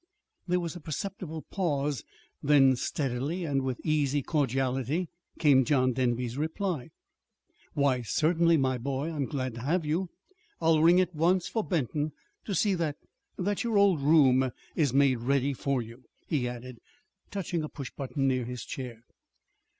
There was a perceptible pause. Then, steadily, and with easy cordiality, came John Denby's reply. "Why, certainly, my boy. I'm glad to have you. I'll ring at once for Benton to see that that your old room is made ready for you," he added, touching a push button near his chair.